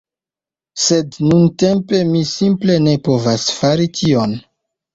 Sed nuntempe, mi simple ne povas fari tion